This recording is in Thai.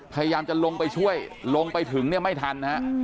พยายามจะลงไปช่วยลงไปถึงไม่ทัน